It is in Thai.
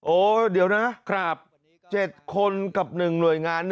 โอ้เดี๋ยวนะ๗คนกับ๑หน่วยงาน๑